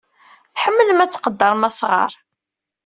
Tḥemmlem ad tqeddrem asɣar.